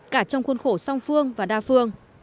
cả trong khuôn khổ song phương và đa phương